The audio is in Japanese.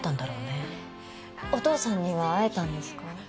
お父さんには会えたんですか？